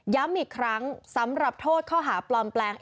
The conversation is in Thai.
ย้ำอีกครั้งสำหรับโทษข้อหาปลอมแปลง